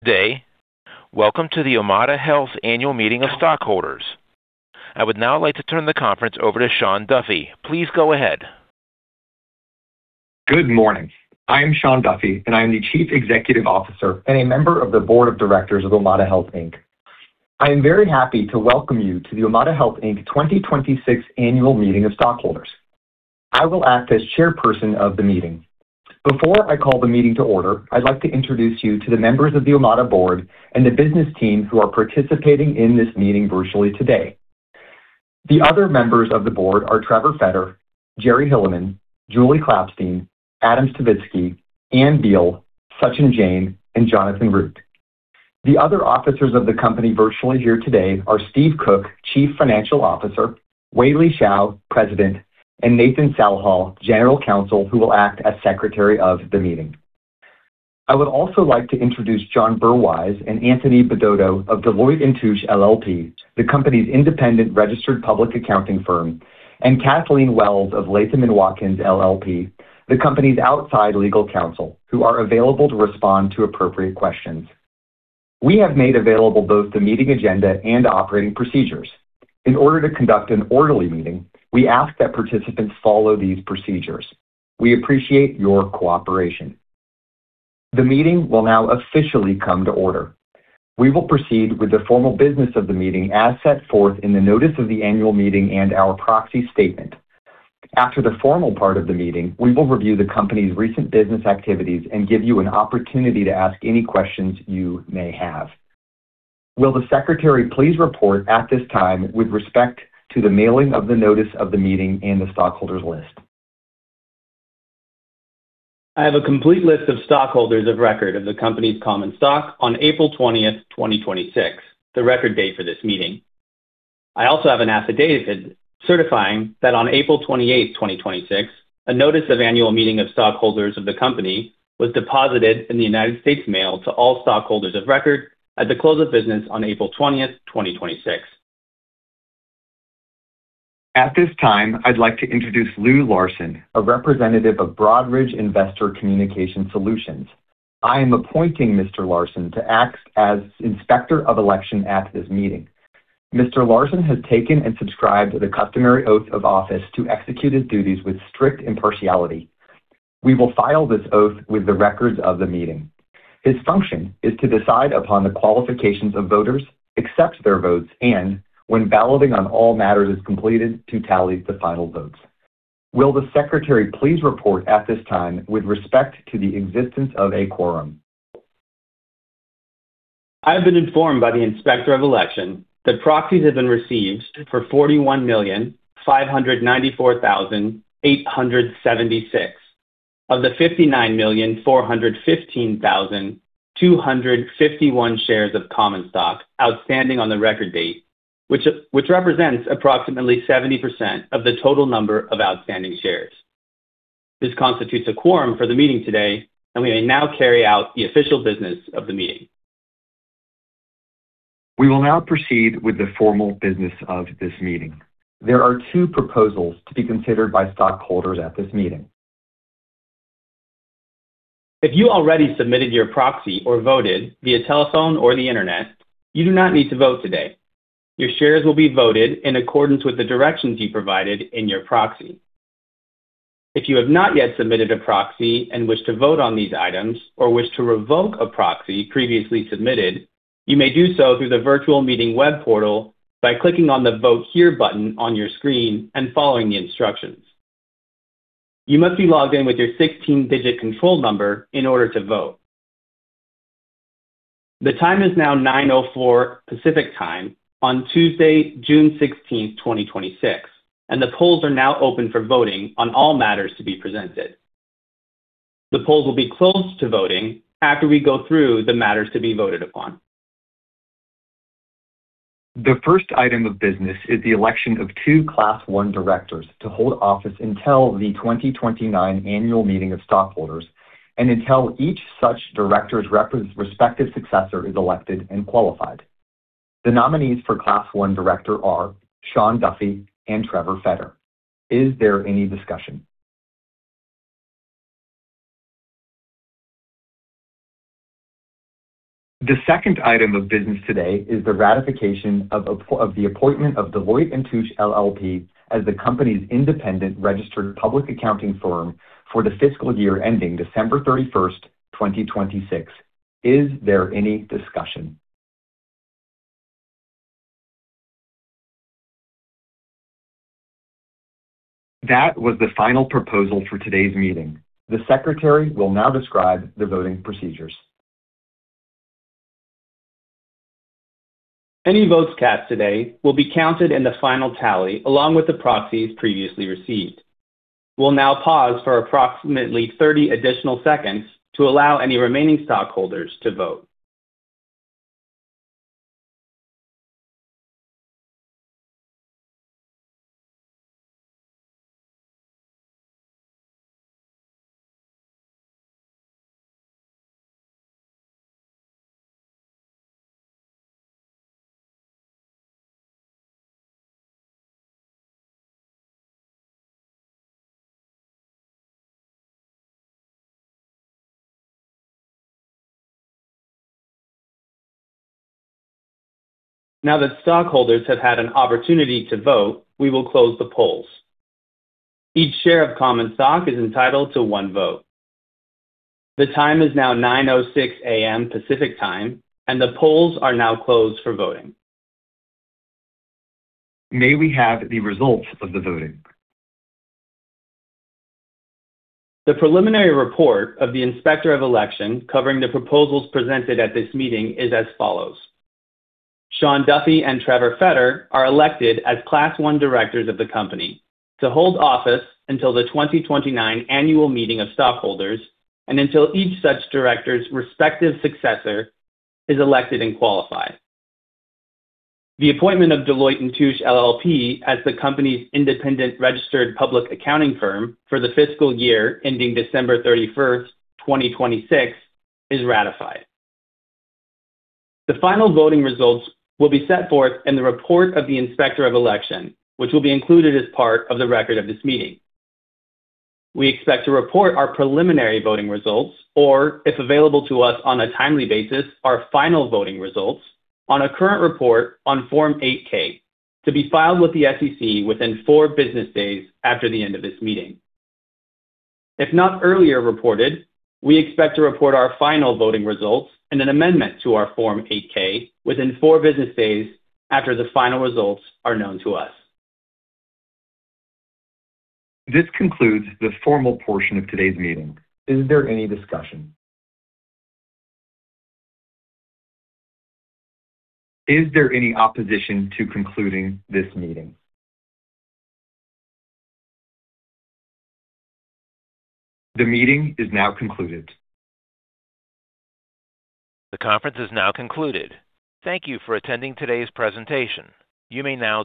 Day. Welcome to the Omada Health Annual Meeting of Stockholders. I would now like to turn the conference over to Sean Duffy. Please go ahead. Good morning. I am Sean Duffy, and I am the Chief Executive Officer and a member of the Board of Directors of Omada Health Inc. I am very happy to welcome you to the Omada Health Inc. 2026 Annual Meeting of Stockholders. I will act as Chairperson of the meeting. Before I call the meeting to order, I'd like to introduce you to the members of the Omada board and the business team who are participating in this meeting virtually today. The other members of the board are Trevor Fetter, Jeryl Hilleman, Julie Klapstein, Adam Stavisky, Anne Beal, Sachin Jain, and Jonathan Root. The other officers of the company virtually here today are Steve Cook, Chief Financial Officer, Wei-Li Shao, President, and Nathan Salha, General Counsel, who will act as Secretary of the meeting. I would also like to introduce John Zamora and Tony Baudot of Deloitte & Touche LLP, the company's independent registered public accounting firm, and Kathleen Wells of Latham & Watkins LLP, the company's outside legal counsel, who are available to respond to appropriate questions. We have made available both the meeting agenda and operating procedures. In order to conduct an orderly meeting, we ask that participants follow these procedures. We appreciate your cooperation. The meeting will now officially come to order. We will proceed with the formal business of the meeting as set forth in the notice of the annual meeting and our proxy statement. After the formal part of the meeting, we will review the company's recent business activities and give you an opportunity to ask any questions you may have. Will the Secretary please report at this time with respect to the mailing of the notice of the meeting and the stockholders list? I have a complete list of stockholders of record of the company's common stock on April 20th, 2026, the record date for this meeting. I also have an affidavit certifying that on April 28th, 2026, a notice of annual meeting of stockholders of the company was deposited in the United States Mail to all stockholders of record at the close of business on April 20th, 2026. At this time, I'd like to introduce Lou Larson, a representative of Broadridge Investor Communication Solutions. I am appointing Mr. Larson to act as Inspector of Election at this meeting. Mr. Larson has taken and subscribed the customary oath of office to execute his duties with strict impartiality. We will file this oath with the records of the meeting. His function is to decide upon the qualifications of voters, accept their votes, and when balloting on all matters is completed, to tally the final votes. Will the Secretary please report at this time with respect to the existence of a quorum? I have been informed by the Inspector of Election that proxies have been received for 41,594,876 of the 59,415,251 shares of common stock outstanding on the record date, which represents approximately 70% of the total number of outstanding shares. This constitutes a quorum for the meeting today, and we may now carry out the official business of the meeting. We will now proceed with the formal business of this meeting. There are two proposals to be considered by stockholders at this meeting. If you already submitted your proxy or voted via telephone or the internet, you do not need to vote today. Your shares will be voted in accordance with the directions you provided in your proxy. If you have not yet submitted a proxy and wish to vote on these items or wish to revoke a proxy previously submitted, you may do so through the virtual meeting web portal by clicking on the Vote Here button on your screen and following the instructions. You must be logged in with your 16-digit control number in order to vote. The time is now 9:04 A.M. Pacific Time on Tuesday, June 16th, 2026, and the polls are now open for voting on all matters to be presented. The polls will be closed to voting after we go through the matters to be voted upon. The first item of business is the election of two Class I directors to hold office until the 2029 Annual Meeting of Stockholders and until each such director's respective successor is elected and qualified. The nominees for Class I director are Sean Duffy and Trevor Fetter. Is there any discussion? The second item of business today is the ratification of the appointment of Deloitte & Touche LLP as the company's independent registered public accounting firm for the fiscal year ending December 31st, 2026. Is there any discussion? That was the final proposal for today's meeting. The Secretary will now describe the voting procedures. Any votes cast today will be counted in the final tally, along with the proxies previously received. We will now pause for approximately 30 additional seconds to allow any remaining stockholders to vote. Now that stockholders have had an opportunity to vote, we will close the polls. Each share of common stock is entitled to one vote. The time is now 9:00 A.M. Pacific Time, and the polls are now closed for voting. May we have the results of the voting? The preliminary report of the Inspector of Election covering the proposals presented at this meeting is as follows: Sean Duffy and Trevor Fetter are elected as Class I directors of the company to hold office until the 2029 annual meeting of stockholders and until each such director's respective successor is elected and qualified. The appointment of Deloitte & Touche LLP as the company's independent registered public accounting firm for the fiscal year ending December 31st, 2026 is ratified. The final voting results will be set forth in the report of the Inspector of Election, which will be included as part of the record of this meeting. We expect to report our preliminary voting results, or if available to us on a timely basis, our final voting results on a current report on Form 8-K to be filed with the SEC within four business days after the end of this meeting. If not earlier reported, we expect to report our final voting results in an amendment to our Form 8-K within four business days after the final results are known to us. This concludes the formal portion of today's meeting. Is there any discussion? Is there any opposition to concluding this meeting? The meeting is now concluded. The conference is now concluded. Thank you for attending today's presentation. You may now disconnect.